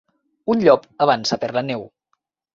Un llop avança per la neu.